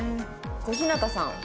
小日向さん。